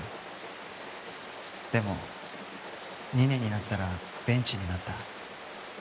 でも２年になったらベンチになった。